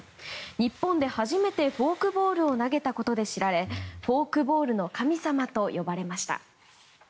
日本で初めてフォークボールを投げたことで知られフォークボールの神様と呼ばれました。